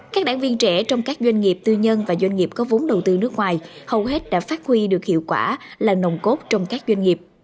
các đảng viên trẻ trong các doanh nghiệp tư nhân và doanh nghiệp có vốn đầu tư nước ngoài hầu hết đã phát huy được hiệu quả là nồng cốt trong các doanh nghiệp